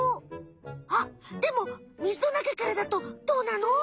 あっでもみずのなかからだとどうなの？